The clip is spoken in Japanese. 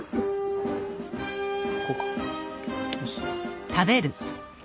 こうかよし。